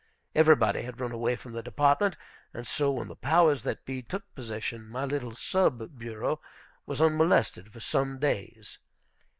Everybody had run away from the Department; and so, when the powers that be took possession, my little sub bureau was unmolested for some days.